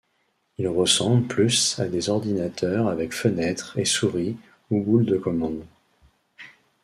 Ils ressemblent plus à des ordinateurs avec fenêtres et souris ou boule de commande.